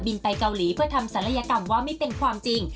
ไปเกาหลีเพื่อทำศัลยกรรมว่าไม่เป็นความจริง